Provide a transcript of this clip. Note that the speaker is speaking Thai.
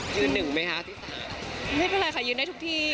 ยืนหนึ่งไหมคะพี่ตาไม่เป็นไรค่ะยืนได้ทุกที่